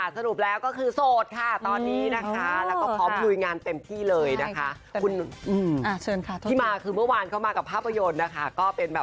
สนุกแล้วก็คือโสดค่ะตอนนี้นะคะ